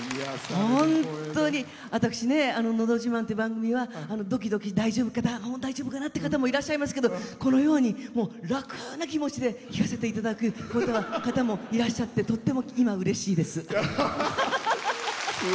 本当に、私「のど自慢」っていう番組はどきどき、大丈夫かな？って方もいらっしゃいますけどこのように楽な気持ちで聴かせていただく方もいらっしゃってとっても今、うれしいです。